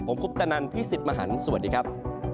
ผมคุปตะนันพี่สิทธิ์มหันฯสวัสดีครับ